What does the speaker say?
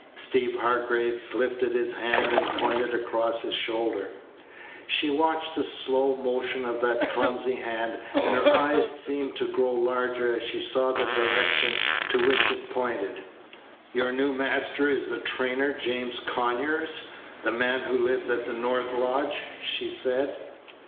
Steeve Hargraves lifted his hand and pointed across his shoulder. She watched the slow motion of that clumsy hand, and her eyes seemed to grow larger as she saw the direction to which it pointed. "Your new master is the trainer, James Conyers, the man who lives at the north lodge?" she said.